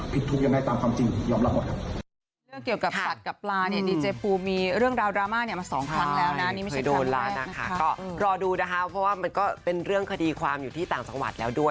ผิดถูกยังไงตามความจริงยอมรับหมดครับ